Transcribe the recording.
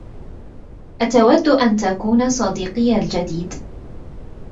أتود أن تكون صديقي الجديد؟